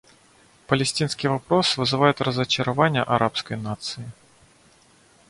Палестинский вопрос вызывает разочарование арабской нации.